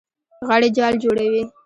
غڼې جال جوړوي.